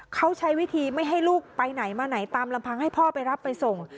เขาใช้วิธีไม่ให้ลูกไปไหนมาไหนตามลำพังให้พ่อไปรับไปส่ง